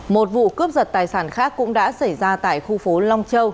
một vụ cướp giật tài sản khác cũng đã xảy ra tại khu phố long châu